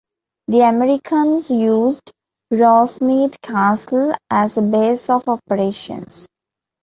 The Americans used Rosneath Castle as a base of operations.